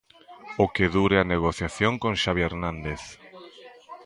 O que dure a negociación con Xavi Hernández.